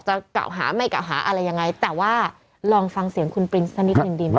จะเก่าหาไม่เก่าหาอะไรยังไงแต่ว่าลองฟังเสียงคุณปรินส์ท่านนี้คุณดินนะคะ